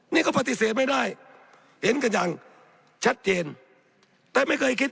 นี่ก็ปฏิเสธไม่ได้เห็นกันอย่างชัดเจนแต่ไม่เคยคิด